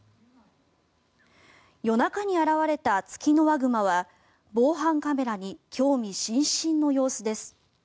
夜中に現れたツキノワグマは防犯カメラに興味津々の様子です。